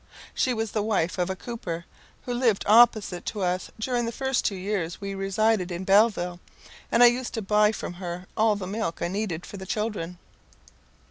She was the wife of a cooper, who lived opposite to us during the first two years we resided in Belleville; and I used to buy from her all the milk I needed for the children.